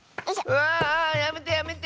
うわあやめてやめて！